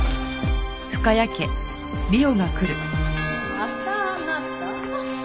またあなた？